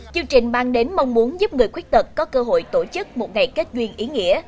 chương trình mang đến mong muốn giúp người khuyết tật có cơ hội tổ chức một ngày kết duyên ý nghĩa